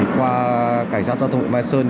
qua cảnh sát giao thông huyện mai sơn